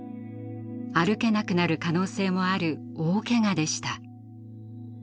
歩けなくなる可能性もある大けがでした。